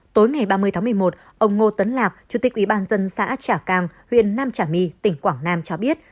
tối ngày ba mươi tháng một mươi một ông ngô tấn lạc chủ tịch ủy ban dân xã trà cang huyện nam trà my tỉnh quảng nam cho biết